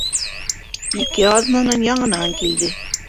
Ике аҙнанан яңынан килде.